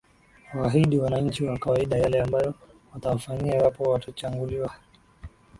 iwaahidi wananchi wa kawaida yale ambayo watawafanyia iwapo watachanguliwa